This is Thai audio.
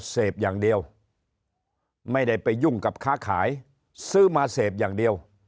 เสพอย่างเดียวไม่ได้ไปยุ่งกับค้าขายซื้อมาเสพอย่างเดียว